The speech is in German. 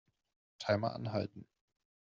Timer anhalten.